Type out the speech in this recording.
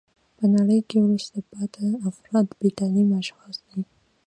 په نړۍ کښي وروسته پاته افراد بې تعلیمه اشخاص دي.